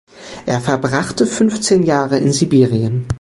Er verbrachte fünfzehn Jahre in Sibirien.